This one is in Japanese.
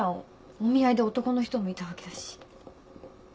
お見合いで男の人もいたわけだし。